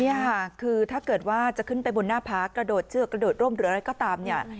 นี่ค่ะคือถ้าเกิดว่าจะขึ้นไปบนหน้าพักกระโดดเชือกกระโดดร่มหรืออะไรก็ตามเนี่ย